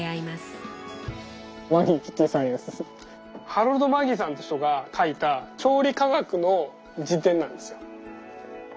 ハロルド・マギーさんっていう人が書いた調理化学の辞典なんですよ。